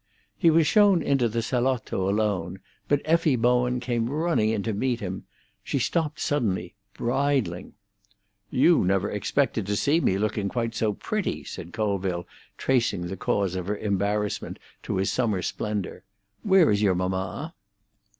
He was shown into the salotto alone, but Effie Bowen came running in to meet him. She stopped suddenly, bridling. "You never expected to see me looking quite so pretty," said Colville, tracing the cause of her embarrassment to his summer splendour. "Where is your mamma?"